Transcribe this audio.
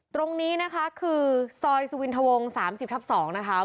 ตรงนี้นะคะคือซอยสุวินทวง๓๐ทับ๒นะคะ